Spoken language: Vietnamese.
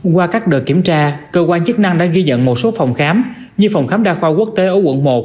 qua các đợt kiểm tra cơ quan chức năng đã ghi nhận một số phòng khám như phòng khám đa khoa quốc tế ở quận một